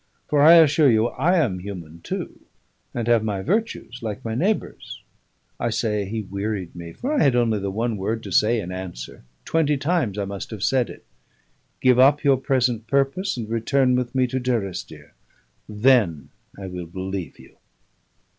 For I assure you I am human too, and have my virtues like my neighbours." I say, he wearied me, for I had only the one word to say in answer: twenty times I must have said it: "Give up your present purpose and return with me to Durrisdeer: then I will believe you."